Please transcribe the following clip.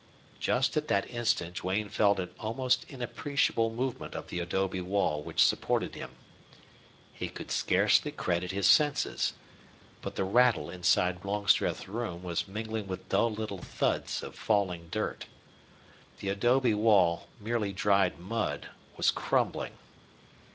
Just at that instant Duane felt an almost inappreciable movement of the adobe wall which supported him. He could scarcely credit his senses. But the rattle inside Longstreth's room was mingling with little dull thuds of falling dirt. The adobe wall, merely dried mud, was crumbling.